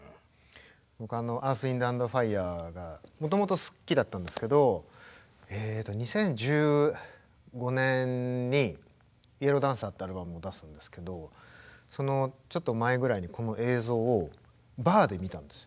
僕Ｅａｒｔｈ，Ｗｉｎｄ＆Ｆｉｒｅがもともと好きだったんですけど２０１５年に「ＹＥＬＬＯＷＤＡＮＣＥＲ」っていうアルバムを出すんですけどそのちょっと前ぐらいにこの映像をバーで見たんですよ。